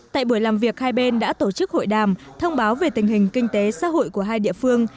tại buổi làm việc hai bên đã tổ chức hội đàm thông báo về tình hình kinh tế xã hội của hai địa phương